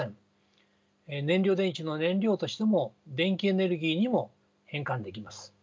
燃料電池の燃料としても電気エネルギーにも変換できます。